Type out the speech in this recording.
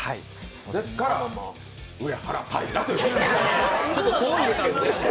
ですから上原平ということに。